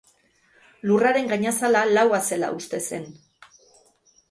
Lurraren gainazala laua zela uste zen.